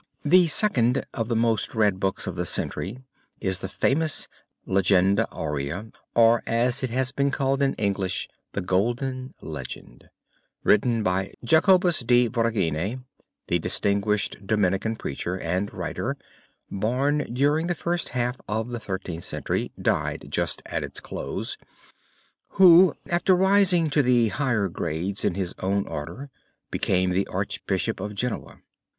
The second of the most read books of the century is the famous Legenda Aurea or, as it has been called in English, the Golden Legend, written by Jacobus de Voragine, the distinguished Dominican preacher and writer (born during the first half of the Thirteenth Century, died just at its close), who, after rising to the higher grades in his own order, became the Archbishop of Genoa.